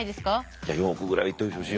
いや４億ぐらいいっといてほしい。